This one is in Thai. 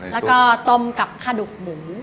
แล้วก็ต้มกับขะดุ๋ผิว